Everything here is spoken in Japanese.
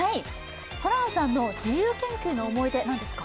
ホランさんの自由研究の思い出、何ですか？